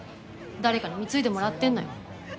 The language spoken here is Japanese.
誰かに貢いでもらってるのよ。